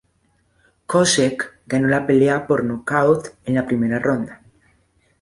Koscheck ganó la pelea por nocaut en la primera ronda.